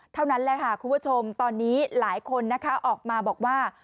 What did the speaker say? เท่านั้นแหละค่ะคุณผู้ชมตอนนี้หลายคนนะคะออกมาบอกว่า